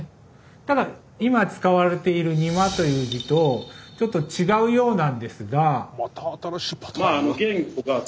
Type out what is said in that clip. ただ今使われている「にま」という字とちょっと違うようなんですが。